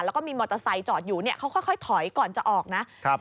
แล้วก็มีมอเตอร์ไซส์จอดอยู่เขาค่อยถอยก่อนจะออกนะ